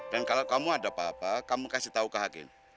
dan kalau kamu ada apa apa kamu kasih tahu ke hakim